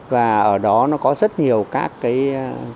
và ở đó nó có rất nhiều các cái đầu tư